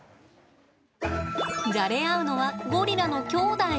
じゃれ合うのはゴリラの兄弟。